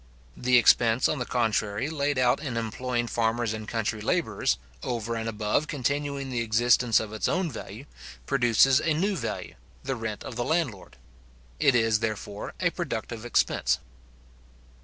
The expense, on the contrary, laid out in employing farmers and country labourers, over and above continuing the existence of its own value, produces a new value the rent of the landlord. It is, therefore, a productive expense.